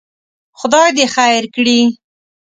خدای دې خیر کړي.